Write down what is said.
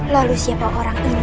lalu siapa orang ini